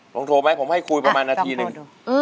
ผมโทรไหมผมให้คุยประมาณนาทีหนึ่ง